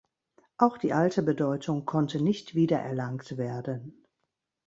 Auch die alte Bedeutung konnte nicht wiedererlangt werden.